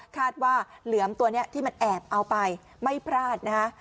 เหลือมตัวนี้ที่มันแอบเอาไปไม่พลาดนะคะ